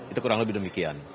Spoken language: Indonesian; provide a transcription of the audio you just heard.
itu kurang lebih demikian